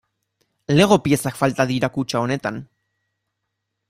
Lego piezak falta dira kutxa honetan.